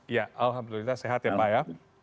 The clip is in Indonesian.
ya alhamdulillah sehat ya pak ya